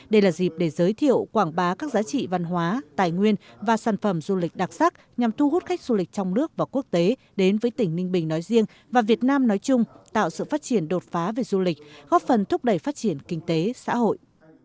đây là dịp để giới thiệu quảng bá các giá trị văn hóa tài nguyên và sản phẩm du lịch đặc sắc nhằm thu hút khách du lịch trong nước và quốc tế đến với tỉnh ninh bình nói riêng và việt nam nói chung tạo sự phát triển đột phá về du lịch góp phần thúc đẩy phát triển kinh tế xã hội